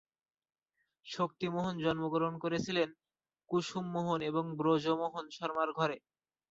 শক্তি মোহন জন্মগ্রহণ করেছিলেন কুসুম মোহন এবং ব্রজমোহন শর্মার ঘরে।